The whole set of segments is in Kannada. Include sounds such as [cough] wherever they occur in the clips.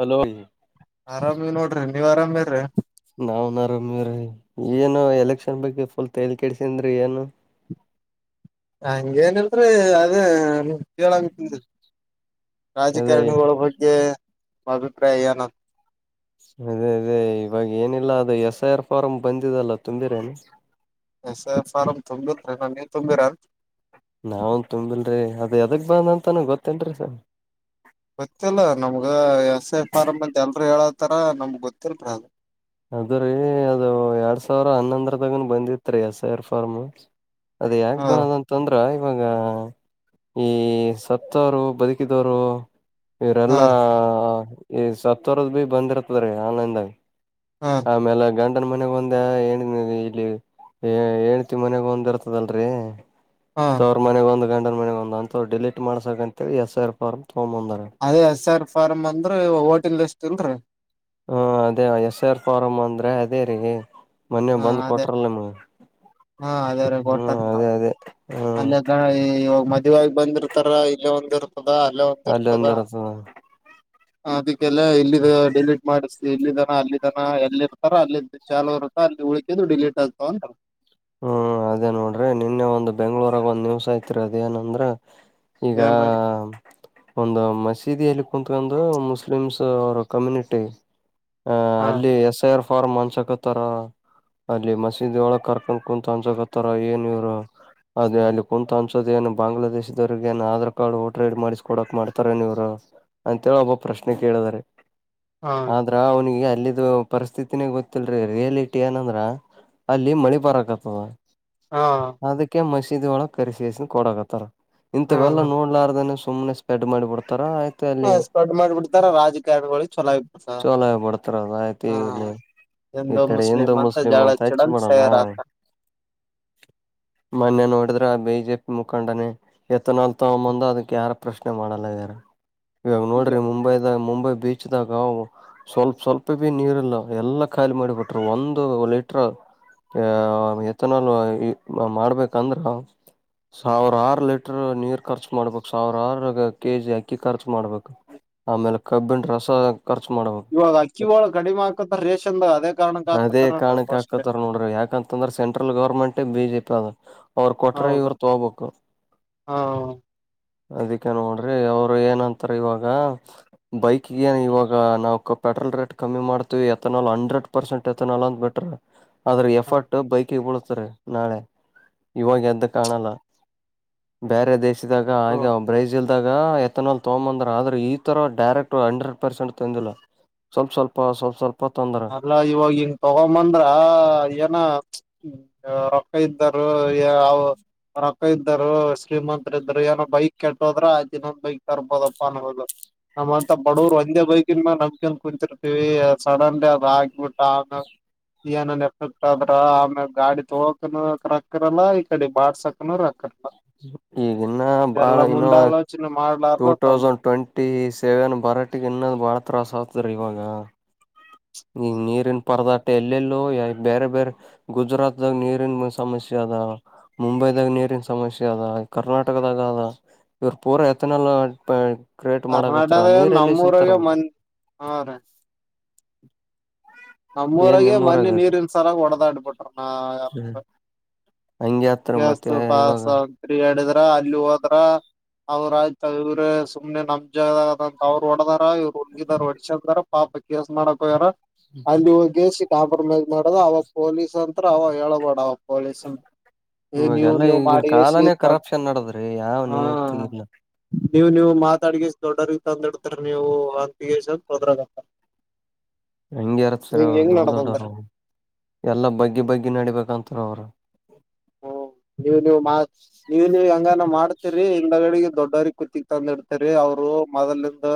ಹಲೋ ಆರಾಮಿ ನೋಡ್ರಿ ನೀವ್ ಆರಾಮಿರ್ರ್ಯ ನಾವನ್ ಅರಾಮಿರ್ ಏನು ಎಲೆಕ್ಷನ್ ಬಗ್ಗೆ ಫುಲ್ ತೇಲಿ ಕೆಡಸಂದ್ರಿ ಏನು ಎ ಹಂಗೇನಿಲ್ರೀ ಅದೇ. ಕೇಳಾಂಗ [unintelligible] ಅದೇ ರಾಜಕಾರಣಿಗಳ ಬಗ್ಗೆ. ನಿಮ ಅಭಿಪ್ರಾಯ ಏನು. ಅದೇ ಅದೇ ಇವಾಗ ಏನಿಲ್ಲ ಅದು ಎಸ್ ಐ ಆರ್ ಫಾರಂ ಬಂದಿದಲ್ಲ ತುಂಬಿರೇನು. ಎಸ್ ಐ ಅರ್ ಫಾರಂ ತುಂಬಿಲ್ ನವ್ ನೀವ್ ತುಂಬಿರ. ನಾವ್ ತುಂಬಿಲ್ ರೀ ಅದ್ ಯದಕ್ ಬಂದ ಅಂತನ ಗೊತ್ತಿಲ್ರಿ ಸ ಗೊತ್ತಿಲ್ಲ ನಮ್ಗ ಎಸ್ ಐ ಫಾರಂ ಅಂತ ಎಲ್ರು ಹೇಳೋತಾರ ನಮ್ಗ್ ಗೊತ್ತಿಲ್ಲರಅ. ಅದ್ರೀ ಅದು ಎರಡ್ ಸಾವಿರ ಹನ್ನೊಂದರದಗನ್ ಬಂದಿತ್ ರೀ ಎಸ್ ಐ ಆರ್ ಫಾರ್ಮು. ಅದ ಯಾಕ್ ಹಾ ರೀ ಬಂದದ ಅಂತ ಅಂದ್ರ. ಇವಾಗ ಈ ಸತ್ತವರು ಬದುಕಿದವರು. ಹಾ ಇವ್ರಲ್ಲಾ ರೀ ಈ ಸತ್ತೋರದ ರೀ ಬಂದಿರ್ತದ್ರೀ ಆನ್ಲೈನ್ದಾಗ. ಹಾ ಆಮೇಲೆ ಗಂ [unintelligible] ನ್ ಮನೆಗ ಒಂದ ಏ ಇಲ್ಲಿ ಏಂಡ್ತೀ ಮನೆಗ ಒಂದ ಇರ್ತದಲ್ರರಿ. ಹಾ ತವರು ಮನೆಗ್ ಒಂದು ಗಂಂಡನ ಮನೆಗ ಒಂದು ಅಂತವ್ ಡಿಲೀಟ್ ಮಾಡ್ಸಕ್ ಅಂತೇಳಿ ಎಸ್ ಐ ಆರ್ ಪಾರ್ಮ್. ಅದೇ ಎಸ್ ಆರ್ ಫಾರ್ಮ್ ಅಂದ್ರ ಓಟಿಂಗ್ ಲಿಸ್ಟ್ ಇಲ್ರೀ. ಹ ಅದೇ ಎಸ್ ಐ ಆರ್ ಫಾರಂ ಅಂದ್ರೆ ಅದೇ ರೀ. ಮೊನ್ನೆ ಹಾ ಬಂದ್ ಅದೇ ಕೊಟ್ರಲ್ಲ ನಿಮಗ್. ಹಾ ಅದೇ ರೀ ಕೋಟ್ಟದ [unintelligible] ಹ್ಮ್ ಮದ್ವೀಯಾಗಿ ಬಂದಿರ್ತಾರ ಇಲ್ಲೇ ಒಂದ್ ಇರ್ತದ ಅಲ್ಲೇ ಒಂದ್ ಅಲ್ಲಿ ಇರ್ತದ. ಒಂದಿರ್ತದ ಅದಕ್ಕೆಲ್ಲ ಇಲ್ಲಿ ಡಿಲೀಟ್ ಮಾಡಿಸಿ ಇಲ್ಲಿದನ ಅಲ್ಲಿದನ ಎಲ್ಲಿ ಇರ್ತಾರ ಅಲ್ಲಿ ಚಾಲುವರು. ಅಲ್ಲಿ ಉಳಕಿದು ಡಿಲೇಟ್ ಆಗ್ತಾವ ಅಂತ. ಹ್ಮ್ ಅದೇ ನೋಡ್ರಿ ನಿನ್ನೆ ಒಂದ್ ಬೆಂಗ್ಳೂರಾಗ ಒಂದ್ ನ್ಯೂಸ್ ಆಯ್ತಿರಿ ಅದೇಏನಂದ್ರ. ಈಗ ಏನ್ ಒಂದು ಮಸೀದಿಲ್ಲಿ ಕುೂತ್ಕೊಂಡು ಮುಸ್ಲಿಮ್ಸ್ ಅವರ ಕಮ್ಯುನಿಟಿ. ಅಹ್ ಹಾ ಅಲ್ಲಿ ಎಸ್ ಐ ಆರ್ ಫಾರ್ಮ್ ಹಂಚಕತಾರ ಅಲ್ಲಿ ಮಸೀದಿಳ ಕರ್ಕೊಂಡ. ಕುಂತ ಅನ್ಸಕ ಹತ್ತಾರ ಏನ್ ಇವ್ರು. ಅದೇ ಅಲ್ಲಿ ಕುಂತ ಹಂಚದೇನು ಬಾಂಗ್ಲಾದೇಶದವ್ರಿಗೆ ಏನ್ ಆಧಾರ್ ಕಾರ್ಡ್ ಓಟ ರೈಡಿ ಮಾಡಿಸ್ಕ ಕೊಡಕ್ ಮಾಡ್ತಾರೇನೀವ್ರು. ಅಂತೇಳಿ ಒಬ್ಬ ಪ್ರಶ್ನೆ ಕೇಳಿದಾರೆ ಹಾ ಆದ್ರ ಅವನಿಗೆ. ಅಲ್ಲಿದು ಪರಿಸ್ಥಿತಿನೇ ಗೊತ್ತಿಲ್ರಿ ರಿಯಾಲಟಿ ಏನಂದ್ರ ಅಲ್ಲಿ ಮಳಿ ಬರಕತದ. ಹಾ ಅದಕ್ಕೆ ಮಸೀದಿ ಒಳ ಕರೆಸಿ ಎಸಿನ ಕೊಡಕತ್ತಾರ ಇಂಥವೆಲ್ಲ ಹಾ ನೋಡ್ಲಾರ್ದನೇ. ಸುಮ್ಮನೆ ಸ್ಪೆಡ್ ಮಾಡಿ ಬಿಡ್ತಾರ. ಮತ್ತ ಅಲ್ಲಿ ಸ್ಪ್ರೆಡ್ ಮಾಡ್ಬಿಡ್ತಾರ ರಾಜಕಾರಣಿಗಳಿಗೆ ಚೊಲೋ ಆಗ್ಬಿಡ್ತ ಚಾಲು ಆಗ್ಬಿಡ್ತದ ಅದಾಯಿತು ಇದಾಯ್ತು ಹಾ ಇಲ್ಲಿ. ಈ ಹಿಂದೂ ಕಡೆ ಹಿಂದೂ ಮುಸ್ಲಿಂ ಜಗಳ ಅಂತ ಹಚ್ಚಿ ಹಚ್ಚಿಡನ್ ಮಡೋದ. ತಯಾರ ಆಗ್ತಾರ ಮೊನ್ನೆ ನೋಡಿದ್ರೆ ಆ ಬಿಜೆಪಿ ಮುಖಂಡನೇ ಎಥನಾಲ್ ತಗೊ ಮುಂದ ಅದಕ್ಕೆ ಯಾರ ಪ್ರಶ್ನೆ ಮಾಡಲ್ಲ ಆಗ್ಯಾರ. ಇವಾಗ ನೋಡ್ರಿ ಮುಂಬೈದಾಗ ಮುಂಬೈ. ಬೀಚ್ದಾಗ ಸ್ವಲ್ಪ ಸ್ವಲ್ಪ ಬಿ ನೀರ್ಲ್ಲ ಎಲ್ಲ ಖಾಲಿ ಮಾಡಿಬಿಟ್ರರು ಒಂದು ಲೀಟರ್. ಆ ಎತನಾಲ್ಲ ಮಾಡ್ಬೇಕಂದ್ರ. ಸಾವಿರ ಆರು ಲೀಟರ್ ನೀರು ಖರ್ಚು ಮಾಡ್ಬೇಕು ಸಾವಿರಾರು ಕೆಜಿ ಅಕ್ಕಿ ಖರ್ಚು ಮಾಡ್ಬೇಕು. ಆಮೇಲೆ ಕಬ್ಬಿಣ ರಸ. ಖರ್ಚು ಮಾಡ್ಬೇಕು ಇವಾಗ ಅಕ್ಕಿ ಒಳ ಕಡಿಮೆ ಆಕತ ರೇಷನ್ದಾಗ. ಅದೇ ಕಾರಾಣಕ್ಕೆ ಹಾಕತ್ತಾರ ನೋಡ್ರಿ ಯಾಕಂತಂದ್ರೆ ಸೆಂಟ್ರಲ್ ಗೌರ್ಮೆಂಟ್ ಬಿಜೆಪಿ ಅದ. ಅವ್ರ ಕೊಟ್ರೇ ಹೌದು ಇವರು ತಗೋಬೇಕು. ಹಾ ಅದಕ್ಕೆ ನೋಡ್ರಿ ಅವರು ಏನಂತಾರ ಇವಾಗ ಬೈಕ್ ಏನ್ ಇವಾಗ ನಾವು ಕಪ [unintelligible] ಪಲ್ ರೇಟ್ ಕಮ್ಮಿ ಮಾಡ್ತೀವಿ ಎಥನಾಲ್ ಹಂಡ್ರೆಡ್ ಪರ್ಸೆಂಟ್ ಏತನಾಲ್ ಅಂತ್ ಬಿಟ್ರು ಆದ್ರೆ ಹಾ ಎಫರ್ಟ್ ಬೈಕಳ [unintelligible] ನಾಳೆ ಇವಾಗ ಎದ್ದು ಕಾಣಲ್ಲ ಬೇರೆ ದೇಶ. [unintelligible] ದಾಗ ಹ್ಮ ಹಾಗೆ ಬ್ರೈಜಿಲ್. ಇದಾಗ ಎಥನಾಲ್ ತಗೊಂಬಂದ್ರ ಆದ್ರ ಈ ತರ ಡೈರೆಕ್ಟ್ ಹಂಡ್ರೆಡ್ ಪರ್ಸೆಂಟ್ ತಂದಿಲ್ಲ. ಸ್ವಲ್ಪ ಸ್ವಲ್ಪ ಸ್ವಲ್ಪ ಸ್ವಲ್ಪ ತೊಂದ್ರ ಅಲ್ಲ ಇವಾಗ ಹಿಂಗ ತಗೊಂಬಂದ್ರ ಏನ ಹ್ಮ ರೊಕ್ಕ ಇದ್ದರು ರೊಕ್ಕ ಇದ್ದರು ಶ್ರೀಮಂತತ್ರ ಇದರು ಏನೋ ಬೈಕ್ ಕೆಟ್ಟೋದ್ರ ಆ್ ದಿನೊಂದ ಬೈಕ್ ತರ್ಬೋದಪ್ಪ ಅೋ ನಮ್ಮಂತ ಬಡವರು ಒಂದೇ ಬೈಕನ್ ನಂಬಕನ್ ಕುಂತಿರ್ತೀವಿ ಸಡನ್ ಆಗಬಿಟ್ಟ ಆಮೇ ಏನ ಎತದ್ರ ಆಮೇ ಗಾಡಿ ತೋಕ ಕರೆಕ್ ಅ್ರಲ್ಲ ಈ ಕಡೆ ಬಾಡ್ಸಕನ ರ ಈಗಿನ್ನ ಬಾಳ ಇನ್ನು ಮುಂದಾಲೋಚನೆ ಟೂ ಮಾಡ್ಲಾರ್ದ ತಮ್ ತೌಸಂಡ್ ಟ್ವೆಂಟ ಟಿ ಸೇವೆನ್ ಬರಟಿಗೆ ಇನ್ನೊಂದು್ ಬಾಳ ತ್ರಾಸ್ ಆಗ್ತರಿೀ ಇವಾಗ ಈ ನೀರಿನ ಪರದಾಟ ಎಲ್ಲೆಲ್ಲೋ ಬೇರೆ ಬೇರೆ ಗುಜರಾತ್ಾಗ ನೀರಿನ ಸಮಸ್ಯೆ ಅ ಮುಂಬೈದಾಗ ನೀರಿನ ಸಮಸ್ಯೆ ಅದ ಕರ್ನಾಟಕದಾಗ ಅದ ಇವ್ರ ಪೂರಾ ಎತನಲ್ಲ ಕ್ರಿಯೇಟ್ ಮಾಡಕತ್ರ ಕರ್ನಾಟಕದಾಗ ನೀರೆಲ್ಲಿ ಸಿಂತಾರ ನಮ್ಮೂರಾಗ ಮನ್ ಹಾ ಏನ್ ನಮ್ಮೂರಗೆ ನಿಮ್ಮೂರಾಗ ಮನೆ ನೀರಿನ್ಸರಾಗ ಒಡೆದಾಡ್ಬಿಟ್ರ ನ ಯಪ ಹಂಗೆ ಆತ್ರ ಮತ್ತೆ ಎಸ್ು ಪ ಇವಾಗ ಎ ಹ ಅಲ್ಲಿ ಹೋದ್ರ ಅವ್ರ್ತವ್ರ ಸುಮ್ನೆ ನಮ್ ಜದ ಅವ್ರು ಹೊಡದಾರ ಇವ್ರು ಹುಗಿದಾರ ಹೊಡಶದಾರ ಪಾಪ ಕೇಸ್ ಮಾಡಕ್ೋಯ್ಯಾರ ಅಲ್ಲಿ ಹೋಗೇಸಿ ಕಾಂಪ್ರಮೈಸ್ ಮಾಡದು ಅವಾಗ ಪೊಲೀಸ್ ಅಂತ ಅವ ಹೇಳಳ್ಬೋಡ ಅವಾಗ ಪೊಲೀಸ್ ಅಂತ ಈ ನೀನ್ೂ ಇವಾಗೆಲ್ಲಾ ನ್ಯೂ ಈಗಿನ ಮಾಡಿ ಕಾಲಾನೇ ಕರಪ್ಷನ್ ನಡದ್ರಿ ಯಾವ ಹಾ ನೀತಿ ಇಲ್ಲ ನೀವು ನೀವು ಮಾತಾಡಗ ದೊಡ್ಡರಿಗೆ ತಂದ ಇಡ್ತರಿ ನೀವು ಹಂತಿಗೆಂದ ಹೋದ್ರಾಗಂತ ಹಂಗಗೆ ಇರತ್ ಸರಿ ಅವ್ರು ದೊಡ್ಡ ದೊಡ್ಡವರು ಎಲ್ಲಾ ಬಗ್ಗಿ ಬಗ್ಗಿ ನಡಿಬೇಕಂತರ ಅವ್ರು ಹ್ಮ ನೀವ್ ನೀವ್ ನೀವ್ ನೀವ ಹಂಗಾನ ಮಾಡ್ತಿೀರಿ ಹಿಂದಗಡೆಗ ದೊಡ್ಡವರಿಗೆ ಕತಿಗೆ ತಂದ ಇಡ್ತರಿ ಅವ್ರು ಮೊದಲಿಂದ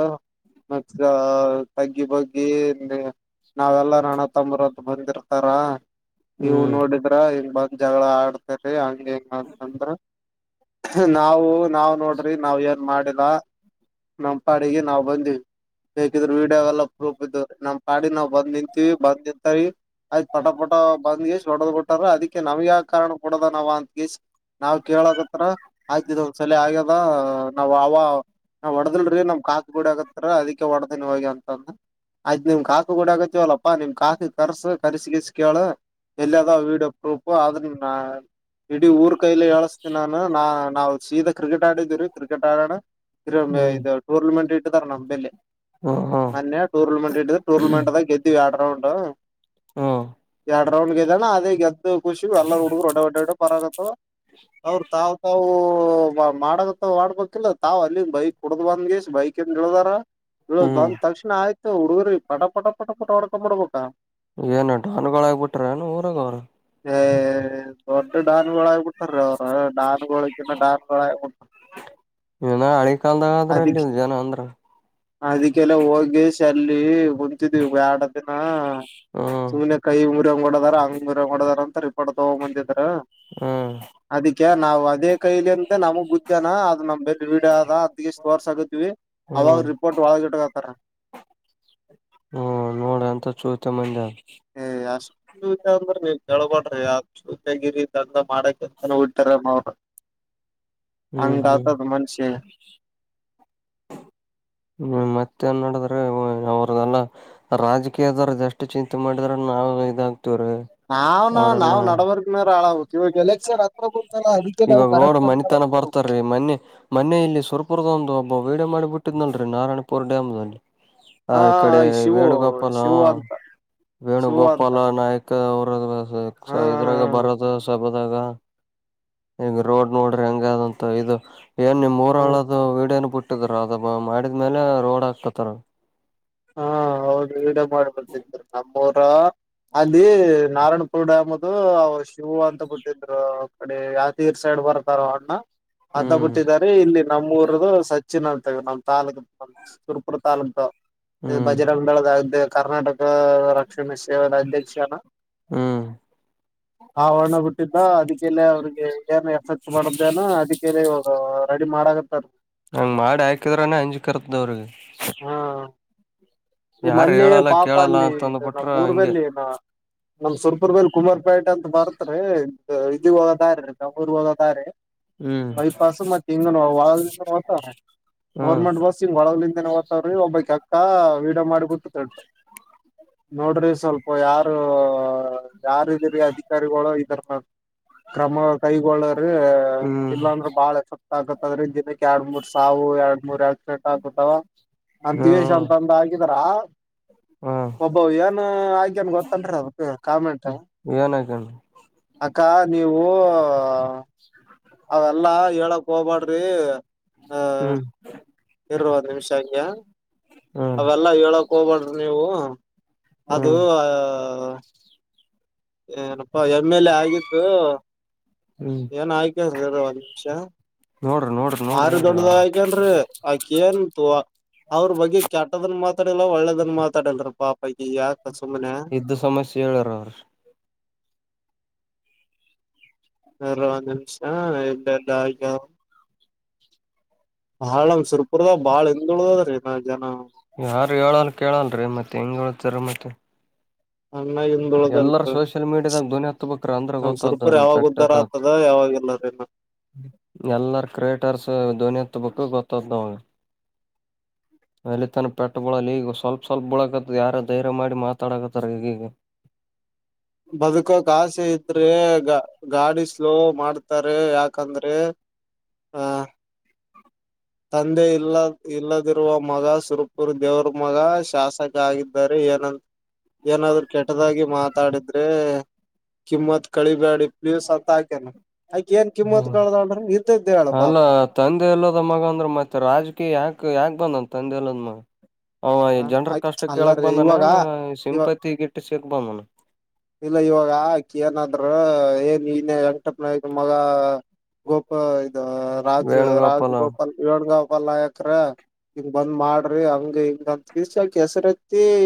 ಮತ್ತ ತಗ್ಗಿ ಬಗ್ಗಿ ನಾವೆಲ್ಲ ನಣ ತಂಬರದ್ದ ಬಂದಿರ್ತಾರ ನೀವು ಹ್ಮ್ ನೋಡಿದ್ರ ಹಂಗ ಬ ಜಗಳ ಆಡ್ತರಿ ಹಂಗ ಹೆಂಗ ಅಂತಂದ್ರ ನಾವು ನಾವು ನೋಡ್ರಿ ನಾವ್ ಏನ್ ಮಾಡಿಲ್ಲ ನಮ ಪಾಡಿಗೆ ನಾವ್ ಬಂದಿವವಿ ಬೇಕಿದ್ರೆ ವೀಡಿಯೋ ಎಲ್ಲ ಪ್ರೂಫ ಇದ್ದು ನಮ ಪಾಡ ನಾವು ಬಂದ್ ನಿಂತೀವಿ ಬಂದ ನಿಂತರಿ ಆಯ್ ಪಟ ಪಟ ಬಂದ್ ಎಷ್ಟ ಹೊಡದ್ ಕೊಟ್ಟಾರ ಅದಕ್ಕೆ ನಮ್ಗೆ ಯ ಕಾರಣ ಾವ ಅಂತ ನಾ್ ಕೇಳಕ್ತ್ರ ಆಗ್ತಿದ ಒ್ ಸಲ ಆ ಎಲ್ಲ ನಾವ ಅವ ನಾ ಹೊಡದಲ್ರೀ ನಮ್ ಕಾತ್ ಗುಡಿ ಆಗತ್ತರ ಅದಕ್ಕೆ ಹೊಡ್ದನ್ ಹೋಗಿ ಅಂತಂದ ಆಯ್ ನಿಮ್ ಕಾಕ ಕೂಡ ಆಗತವಲ್ಲಪ್ಪಾ ನಿಮ್ ಕಾಕ ಕರ್ಸ ಕರ್ಸಿಗಸ್ ಕೇಳ ಎಲ್ಲಿ ಅದಾವ ವಿಡಿಯೋ ಪ್ರೂಫು ಆದ್ರೆ ನ ಇಡೀ ಊರ್ ಕೈಲಿ ಹೇಳಸ್ತೀನ ನಾನು ನಾ ನಾವು ಶೀತಾ ಕ್ರಿಕೆಟ್ ಆಡಿದೀರು ಕ್ರಿಕೆಟ್ ಆಡೋಣ ಹ್ಮ್ ಇದು ಟೂರ್ನಮೆಂಟ್ ಇಟ್ಟತಾರೆ ನಲ್ಲಿ ಹ್ಮ್ ಹ್ಮ್ ಮನ್ನಯ ೋರ್ನಮೆಂಟ್ ಇಟಿದೆ ಟರ್ನಮೆಂಟ್ ದ ಗೆದ್ದಿವಿ ಆಡರೌಂಡ್ ಹ್ಮ್ ಎರಡ್ ರೌಂಡ್ಗೆ್ದಾನ ಅದೇ ಗೆದ್ದು ಖುಷಿ ಎಲ್ಲರ ಹುಡುಗರು ಒಡ್ಡ ಒಡಡೆ ಹೊಡೆ ಪರಗತ್ತವ ಅವ್ರ ತಾವ್ ತಾವು ಮಾಡಕ್ತಾವ ಮಾಡ್ಬೇಕಿಲ್ಲ ತಾವು್ ಅಲ್ಲಿಂದ ಬೈಕ್ ಕುಡ್ದ್ ಬಂದಗೆಷ್ಟ ಬೈಕ್ ಯಾಕ ಹೇಳ್ದಾರ ಹೇಳ ಹ್ಮ್ ಬಂದ್ ತಕ್ಷಣ ಆಯ್ತು ಹುಡುಗ್ರ ಪಟ ಪಟ ಪಟ ಪಟ ಹಡ್ಕ ಮಾಡ್ಬಬೇಕಾ ಏನು ಾನುಗಳಾಗಬಿಟ್ರ ಏನು ಊರಾಗ ಅವ್ರ ಹ್ಮ ದೊಡ್ ಡಾನಗಳಗಕೊಟ್ಟಾರ ಅವ ಡಾನಗಳುಳ ಡಾನಗಳಾಯಕಟ್ಟ ಇನ ಹಳಿ ಕಾಲ್ದಾಗ ಆದ್ರಲ್ಲಿ ಅದಕ್ಕೆ ಜನ ಅಂದ್ರ ಅದಕ್ಕೆಲ್ಲ ಹೋಗಿ ಅಲ್ಲಿ ಹೊಂಂತಿದವಿ ವ್ಯಾಡ ದಿನ ಹ್ಮ್ ಸುಮ್ಮ್ನೆ ಕೈಿ ಂಗಡದಾರ ಹಂಗಂಗಡದಾರ ಅಂತ ಇ ತಗೊಂಡ್ ಬಂದಿದಾರ ಹ್ಮ್ ಅದಕ್ಕೆ ನಾವು ಅದೇ ಕೈಲಿ ಅಂತ ನಮಗ್ ಗುದ್ಯಾನ ಅದು ನಮ ಬೆಲ್ ವಡ ಆದ ಅದ್ಗೆಷ್ಟು ತೋರ್ಸಗುತ್ತೆ ಅವಾಗ ರಿಪೋರ್ಟ್ ಒಳಗಟ್ಟತಾರ ಹ್ಮ ನೋಡ್ರ ಅಂತ ಚೋತೆ ಮಂದ ಏ ಅಷ್ಟ್ೂತ ಅಂದ್ರ ನೀ ಕೆಳ್ಬಡ್ರಿ ಯೂತ ಗಿರಿ ದಡ ಮಾಡಕಂತಾನ ಹಡ್ತಾರರು ಹ್ಮ್ ಅಂಗಾತದ ಮನ್ಷಿ ಹ್ಮ ಮತ್ತೆ ನ್ ನಡಿದ್ರೆ ಅವ್ರಲ್ಲ ರಾಜಕೀಯದವ್ರಷ್ಟು ಚಿಂತೆ ಮಾಡಿದ್ರ ನಾವವು ಇದಾಗ್ತಿವ್ರೀ ನಾವ್ ನ ನಾವ್ ನಡವರ್ಗನ ಹಾಳಾಗು ಇವಾಗ ಎಲೆಕ್ಷನ್ ಹತ್ರ ಗೊತ್ತಾ ಅದಕ್ಕೆ ನಾವು ಇವಾಗ ನೋಡ ಕರಪ್ನ್ ಮನಿತನ ಬರ್ತಾರೀ ಮೊ ಮನೆ ಇಲ್ಲಿ ಸುರಪುರದ ಒಂದು ಒಬ್ಬ ವೀಡ ಮಾಡಿಬ ಬಿಟ್ಟಿದ್ನಲ್ರರಿ ನಾರಾಯಣಪುರ್ ಡ್ಯಾಮ್ ಅಲ್ಲಿ ಹ ಹಾ ಇ ಕಡೆ ಶಿವು ವೇಣುಗೋಪಾಲ್ ಶಿವು ಅಂತ ಶಿವು ಅಂತ ವೇಣುಗೋಪಾಲ ನಾಯಕ ಹಾ ಇದ್ರಾಗ ಬರದ ಹಾಗ ಈಗ ರೋಡ್ ನೋಡ್ರಿ ಹೆಂಗದಂತ ಇದು ಏನ್ ನಿಮ್ ಮೂರ ಹಾ ಹಳದ ವೀಡನು ಬಿಟ್ಟಿದರ ಅದಬ ಮಾಡಿದ್ಮೇಲೆ ರೋಡ್ ಹಾಕತಾರ ಹಾ ಅವರುಡ ಮಾಡಬರ್ತ ನ ಅವರ ಅಲ್ಲಿ ನಾರಾಯಣಪುರ್ ಡ್ಯಾಮ್ ಅದು ಶಿವವು ಅಂತ ಬಿಟ್ಟಿದ್ರು ಅ ಯ ತೀರ್ ಸೈಡ್ ಬರ್ತಾರೋ ಅಣ್ಣ ಹಂತ ಹ್ಮ್ ಬಿಟ್ಟಿದ್ದಾರೆ ಇಲ್ಲಿ ನಮ್ಮೂಊರದು ಸಚ್ಚಿನ್ರ್ತವೆ ನಮ್ ತಾಾಲೂಕ್ ನ ಸುರ್ಪುರ ತಾಾಲೂಕ್ು ಹ್ಮ್ ಬಜರಂಗ ದಾಳದಗ ಕರ್ನಾಟಕ ರಕ್ಷಣೆ ಸೇವೆದ ಅಧ್ಯಕ್ಷನಾ ಹ್ಮ್ ಆ ಹಣ ಬಿಟ್ಟಿದ್ದ ಅದಕ್ಕೆಲ್ಲ ಅವ್ರಿಗೆ ಏನ್ ಎಫೆಕ್ಟ್ ಮಾಡ್ದೇನೋ ಅದಕ್ಕೆಲ್ಲ ಗಾಡಿ ಮಾರಾಗತಾರೆ ಹಂಗ್ ಮಾಡಿ ಹಾಕಿದ್ರನೆ ಅಂಜಕರ್ತದವ್ರಿಗೆ ಹಾ ಇದು ಯಾರು ಮನ್ನೆ ಹೇಳಲ್ಲ ಪಾಪ ಕೇಳಲ್ಲ ಅಲ್ಲಿ ಅಂತ ಇದು ಅಂದ್ಬಿಟ್ರ ನಮ್ಮ್ ಊರ್ ಹಂಗೆ ಮಲ್ಲಿ ಏನ ನಮ್ ಸುರ್ಪುರ್ ಮೇಲೆ ಕುಮಾರ್ಪೇಟೆ ಅಂತ ಬರ್ತ್ರಿ ಇದಗ ಹೋಗತೀ ಕೂರ್ ಹೋಗ ಹ್ಮ್ ಬೈಪಾಸ ಮಾಡ ತಂಗಣ ವಳ ನಿತ ಹ್ಮ್ ಗೌರ್ಮೆಂಟ್ ಬಸ್ಗ್ ಒಳಗಲಿಂದೇ ಓ್ತವ್ರಿ ಒಬ್ಬಕ್ ಅಕ್ಕ ವೀಡೋ ಮಾಡಿ ಕುಟ್ಟತಡಿ ನೋಡ್ರಿ ಸ್ವಲ್ಪ ಯಾರು ಯಾರಿರಿ ಅಧಿಕಾರಿಗಳು ಇದರ ಕ್ರಮ ಕೈಗೊಳ್ಳ್ರ ಹ್ಮ್ ಇಲ್ಲಾಂದ್ರ ಬಾಳಸ ಆಕತ್ದ್ರಿಂದ ದಿನಕ್ಕೆ ಎರಡ್ ಮೂರ್ ಸಾವು ಎರ ಮೂರ್ ಆಕ್ಸಿಡೆಂಟ್ ಆಗುತ್ತಾವ ಹ್ಮ್ ಅಂತಿಗೆಂತಂದ ಆ ಇದರಾ ಹ್ಮ್ ಒಬ್ಬ ಏನ್ ಆಗೇನ್ ಗೊತ್ತನ್ರಿ ಅ ಕಾಮೆಂಟ್ ಏನ್ ಆಕ ಅಕ್ಕ ನೀವು ಅವೆಲ್ಲಾ ಹೇಳಕ್ ಹೋಗ್ಬಾಡ್ರಿ ಆಹ ಹ್ಮ್ ಇರುವದು ನಿಮಿಷ ಆ್ಯ ಹ್ಮ್ ಅವೆಲ್ಲ ಹೇಳಕ್ ಹೋಗ್ಬಡ್ರಿ ನೀವು ಅದು ಹ್ಮ್ ಆ ಏನಪ್ಪಾ ಎಮ್ ಎಲ್ ಎ ಆಗಿದ್ದು ಹ್ಮ್ ನು ಆಯಕ ಸರ ಅಷಾ ನೋಡ್ರಿ ನೋಡ್ರಿ ನೋಡ್ರಿ ಆಾರಿ ಹೇಳ್ರಿ ದೊಡ್ಡದ ಹಾಗಕನ್ ಆಕೇನ್ಂತು ಅವ್ರ ಬಗ್ಗೆ ಕೆಟದನ್ ಮಾತಾ ಒಳ್ಳದನ್ ಮಾತಾಡ ಪಾಪ ಯಾಕೆ ಇದ್ದು ಸಮಸ್ಯೆ ಹೇಳರ ಅವ್ರ ಂದು ನಿಮಿಷ ಎಲ್ಲ ಎಲ್ಲ ಆ ಹಳ ಸುರ್ಪುರ್ದ ಬಾಳ ಹಿಿಂದಳ್ದದ್ರೀ ನಾ ಜನ ಹೇಳ ಕೇಳಲ್ರೀ ಮತ್ತೆ ಹೆಂಗ್ ಹೇಳ್ತಾರ ಮತ್ತೆ ಚಣ್ಣ ಹಿಂದ ಉಳುದಲ್ ಎಲ್ಲಾರ ಸೋಷಿಯಲ್ ಮೀಡಿಯಾದಾಗ ಧ್ವನಿ ಹತ್ಬೇಕ್ರ ಅಂದ್ರ ನಮ ಸರ್ಪರ್ ಗೊತ್ತಾದವ್ರಿಗೆ ಯಾವಾಗ ಉದ್ದಾರ ಆಗ್ತದ ಯಾವಾಗ ಇಲ್ಲರಿೀ ನ ಎಲ್ಲರ ಕ್ರಿಯೇಟರ್ಸ್ ಧ್ವನಿತ್ ಬಕ್ಕ ಗೊತ್ತದ ನ ಹ ಅಲ್ಲಿ ತನ ಪೆಟ್ಟ ಬಳಲ್ಲ ಈಗ ಸ್ವಲ್ಪ್ ಸ್ವಲ್ಪ ಬಳಕತ್ತ ಯಾರ ಧೈರ್ಯ ಮಾಡಿ ಮಾತಾಡಕತ್ತರ್ ಈಗೀಗ ಬದುಕೋಕ್ ಆಸೆ ಇದ್ರೆ ಗ ಗಾಡಿ ಸ್ಲೋ ಮಾಡ್ತಾರೆ ಯಾಕಂದ್ರೆ ಆ ತಂದೆ ಇಲ್ಲ ಇಲ್ಲದಿರುವ ಮಗ ಸುರಪುರ್ ದೇವ್ರ ಮಗ ಶಾಸಕ ಆಗಿದ್ದಾರೆ ಏನಂತ ಏನಾದ್ರು ಕೆಟ್ಟದಾಗಿ ಮಾತಾಡಿದ್ರೆ ಕಿಮ್ಮತ್ ಕಳಿಬ್ಯಾಡಿ ಪ್ಲೀ್ಸ್ ಅಂತ ಹಾಕೇನೆ ಆಯಕ ಏನ್ ಕಿಮ್ಮತ್ ಹ್ಮ್ ಕ್ದಡ್ರ ನಿ್ದ ಇದ್ದ ಹೇಳಳ ಪಾಪ ಮತ್ತ ರಾಜಕೀಯ ಯಾಕ ಯಾಕೆ ಬಂದನ್ ತಂದೆಲ್ಲದ ಹ ಜನ್ರ ಆಕಿ ಕಷ್ಟ ಕೇಳಕ್ ಅಲ್ಲರಿ ಇವಾಗ ಬಂದನೇನ್ ಇವ ಸಿಂಪತಿಗಿಟ್ಟ ಸಿಕ್ ಬಂದನ ಇಲ್ಲ ಇವಾಗ ಆಕ ಏನಾದ್ರರು ಏನ್ ಇನ ವಂಟಪ್ಪನಾಯ ಮಗ ಗೋಪಾ ಇದು ರಾಜು ರಾಜ್ ವೇಣುಗೋಪಾಲ ಗೋಪಾರಗ ಹಬ ನಾಯಕರ ಹಿಂಗ ಬಂದ್ ಮಾಡ್ರಿ ಹಂಗ ಹಿಂಗಂತ ತಿರ್ಸಾಕ ಹೆಸರ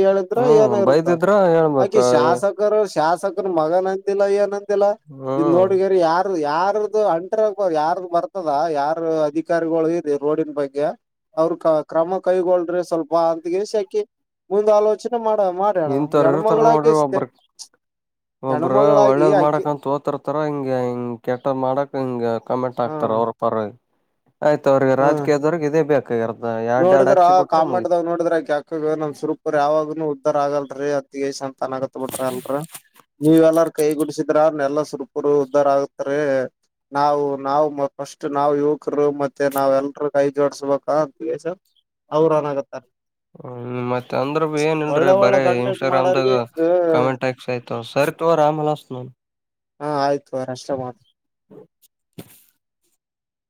ಹೇಳಿದ್ರ ಹ್ಮ್ ಏನ ಇರುತ್ತ ಬೈದಿದ್ರ ಹೇಳ್ಬೇಕ ಅಕೆ ಶಾಸಕ ಶಾಸಕ ಮಗ ನಂದಲ್ಲ ಏನ ನಂದಲ್ಲ ಇ ಹ್ಮ್ ನೋಡಗರಿ ಯಾರ ಯಾರ್ದು ಅಂಟ್ರ ಯಾರ್ದು ಬರ್ತದ ಯಾರು ಅಧಿಕಾರಿಗಳು ಇರಿ ರೋಡಿನ ಬಗ್ಗೆ ಅವ್ರರು ಕ ಕ್ರಮ ಕೈಗಳ್ರೆ ಸ್ವಲ್ಪ ಅಂತಗೆಸ ಆಕಿ ಮುಂದ್ ಆಲೋಚನೆ ಮಾಡ ಮಾಡ ನೀನ್ ತರರ ತರ ನೋಡ್ರಿ ಒಬ್ಬ್ರಕ್ ಒಬ್ರ ಹೆಣ್ಮಗಳಾಗಿ ಒಳ್ಳೇದ್ ಆಕಿ ಮಾಡಕಂತ ಓತರ್ ತರ ಹಿಂಗ ಹಿಂಗ ಕೆಟ್ಟ ಮಾಡಕ್ ಹಿಂಗ ಕಮೆಂಟ್ ಆಾತಾರ ಹ್ಮ್ ಅವ್ರ ಪರ ಆಯ್ತು ಅವ್ರಿಗೆ ಹ್ಮ್ ರಾಜೀದವ್ರಿಗೆ ಇದೇ ಬೇಕಾಗಿರತ್ತೆ ನೋಡಿದ್ರ ಕಾಮಂಡದಾಗ ನೋಡಿದ್ರಕ್ಯಾಕ ನಮ್ ಸುರುಪು ಯಾವಾಗನು ಆಗಲ್ರರಿ ಅತ್ತಿಗೆ ಸಂತನ್ ಆಗತ್ತ ಬಿಟ್ರಿ ಅಲ್ರ ನೀವ ಎಲ್ಲಾರ ಕೈ ಗುಡಸಿದ ಇದ್ರ ಎಲ್ಲ ಸುರ್ಪರು ಉದ್ಧಾರ ಆಗ್ತಾರೆ ನಾವು ನಾವು ಮ ಫಸ್ಟ್ ನಾವ್ ಯುವಕರು ಮತ್ತೆ ನಾವ್ ಎಲ್ರ ಕೈ ಜೋಡಸ್ಬೇಕ ಅವ್್ರನ್ಾಗತ್ತಾರ ಹ್ಮ್ ಮತ್ತೆ ಅಂದ್ರ ಏನನ್ರೀ ಬರ ಒಳ್ಳೆ ಕಂಟೆಂಟ್ ಇನ್ಸ್ಟಾಗ್ರಾಮ್ ದಾಗ ಮಾಡೋರ್ಗೆ ಕಮೆಂಟ್ ಹಾಕ್ಸಾಯಯ್ತವ ಸರಿ ತೋರ್ ಅಂಗಅನುಸ್ತುಡ್ ಹಾ ಆಯ್ತು ಅವಾರಷ್ಟ ಮಾಡ